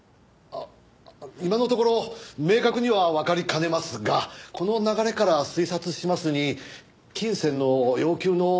今のところ明確にはわかりかねますがこの流れから推察しますに金銭の要求の可能性のその。